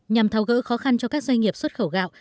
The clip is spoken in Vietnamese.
nhằm tháo gỡ khó khăn cho các doanh nghiệp xuất khẩu gạo